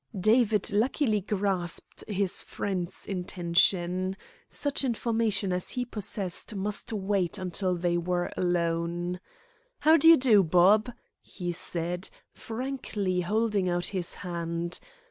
David luckily grasped his friend's intention. Such information as he possessed must wait until they were alone. "How d'ye do, Bob?" he said, frankly holding out his hand.